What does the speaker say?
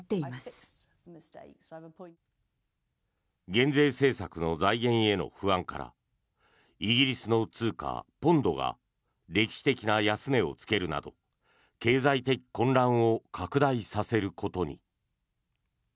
減税政策の財源への不安からイギリスの通貨、ポンドが歴史的な安値をつけるなど経済的混乱を拡大させることに。